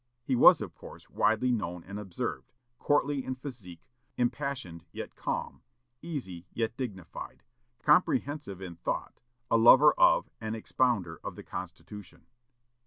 He was, of course, widely known and observed; courtly in physique, impassioned yet calm, easy yet dignified, comprehensive in thought, a lover of and expounder of the Constitution.